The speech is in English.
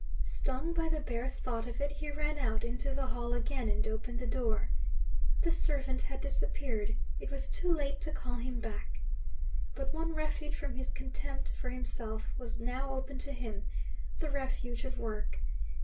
Stung by the bare thought of it, he ran out into the hall again, and opened the door. The servant had disappeared; it was too late to call him back. But one refuge from his contempt for himself was now open to him the refuge of work.